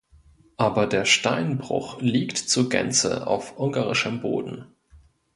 Aber der Steinbruch liegt zur Gänze auf ungarischem Boden.